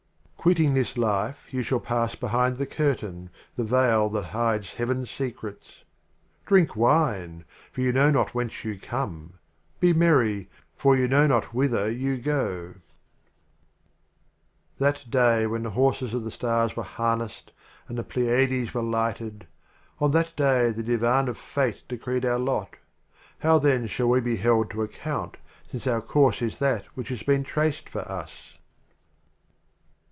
LXXIV A. Quitting this Life you shall pass behind the Curtain — The Veil that hides Heaven's Secrets. Drink Wine! for you know not whence you come; Be merry ! for you know not whither you go, 75 LXXV. The Literal That Day when the Horses of the Stars were Harnessed and the Pleiades were lighted, On that Day the Divan of Fate de creed our Lot. How then shall we be held to ac count, Since our Course is that which has been traced for us